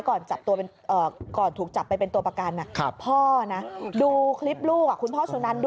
ก่อนถูกจับไปเป็นตัวประกันพ่อนะดูคลิปลูกคุณพ่อสุนัน